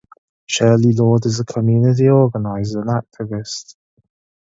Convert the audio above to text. Shirley Lord is a community organizer and activist.